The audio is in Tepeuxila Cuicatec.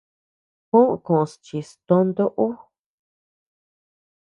Juó koʼos chis tonto ú.